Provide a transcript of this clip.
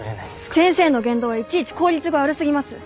先生の言動はいちいち効率が悪すぎます。